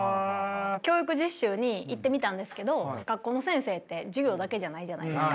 教育実習に行ってみたんですけど学校の先生って授業だけじゃないじゃないですか。